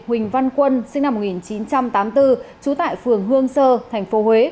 huỳnh văn quân sinh năm một nghìn chín trăm tám mươi bốn trú tại phường hương sơ tp huế